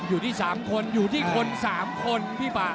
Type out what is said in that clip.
อยู่ที่๓คนอยู่ที่คน๓คนพี่ป่า